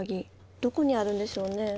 どこにあるんでしょうね？